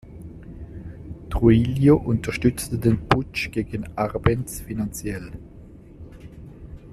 Trujillo unterstützte den Putsch gegen Árbenz finanziell.